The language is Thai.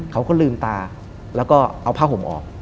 เขาก็ลืมตาแล้วก็เอาผ้าห่มออก